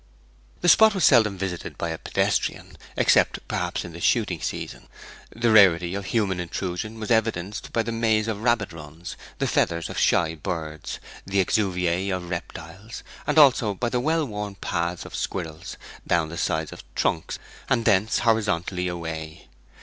The spot was seldom visited by a pedestrian, except perhaps in the shooting season. The rarity of human intrusion was evidenced by the mazes of rabbit runs, the feathers of shy birds, the exuviæ of reptiles; as also by the well worn paths of squirrels down the sides of trunks, and thence horizontally away.